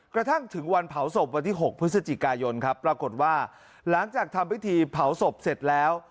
กระทั่งถึงวันเผาศพวันที่๖พฤศจิกายนครับปรากฏว่าหลังจากทำพิธีเผาศพเสร็จแล้ว